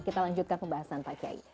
kita lanjutkan pembahasan pak kiai